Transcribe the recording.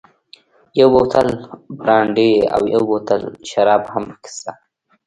یو بوتل برانډي او یو بوتل شراب هم پکې شته.